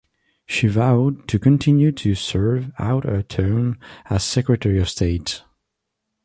She vowed to continue to serve out her term as Secretary of State.